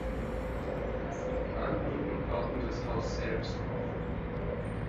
Sie planten und bauten das Haus selbst.